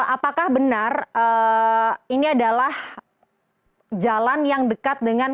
apakah benar ini adalah jalan yang dekat dengan